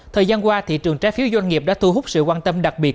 thời gian qua thị trường trái phiếu doanh nghiệp đã thu hút sự quan tâm đặc biệt